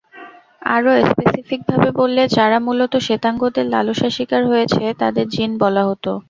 আরো স্পেসিফিক ভাবে বললে যারা মূলত শ্বেতাঙ্গদের লালসার স্বীকার হয়েছে তাদের জিন বলা হত।